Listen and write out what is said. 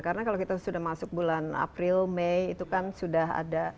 karena kalau kita sudah masuk bulan april mei itu kan sudah ada ya